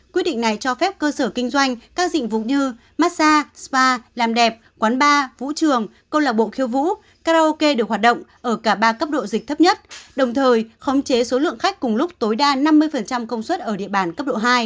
quyết định này cho phép cơ sở kinh doanh các dịch vụ như massage spa làm đẹp quán bar vũ trường câu lạc bộ khiêu vũ karaoke được hoạt động ở cả ba cấp độ dịch thấp nhất đồng thời khống chế số lượng khách cùng lúc tối đa năm mươi công suất ở địa bàn cấp độ hai